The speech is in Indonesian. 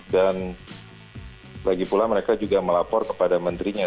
dan lagi pula mereka juga melapor kepada menterinya